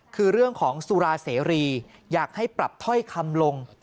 คือเรื่องของสุราเสรีอยากให้ปรับถ้อยคำลง